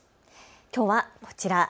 きょうはこちら。